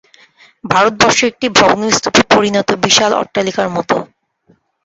ভারতবর্ষ একটি ভগ্নস্তূপে পরিণত বিশাল অট্টালিকার মত।